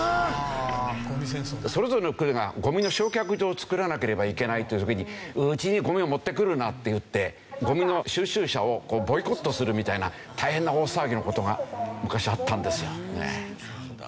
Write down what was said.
それぞれの区がゴミの焼却場を造らなければいけないという時に「うちにゴミを持ってくるな！」っていってゴミの収集車をボイコットするみたいな大変な大騒ぎな事が昔あったんですよ。